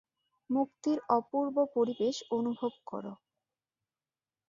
মুক্তির অপূর্ব পরিবেশ অনুভব কর।